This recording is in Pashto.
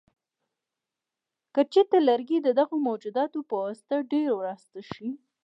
که چېرته لرګي د دغه موجوداتو په واسطه ډېر وراسته شي.